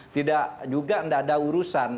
tidak juga tidak ada urusan